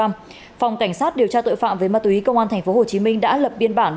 phòng cảnh sát điều tra tội phạm về ma túy công an tp hcm đã lập biên bản